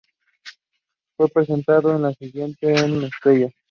Fue presentado al día siguiente en Mestalla.